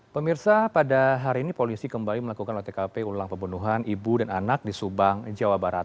pemirsa pada hari ini polisi kembali melakukan otkp ulang pembunuhan ibu dan anak di subang jawa barat